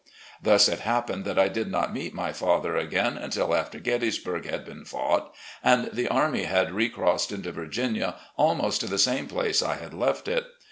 Thtis it happened that I did not meet my father again until after Gettysburg had been fought, and the army had recrossed into Virginia, almost to the same place I had left it.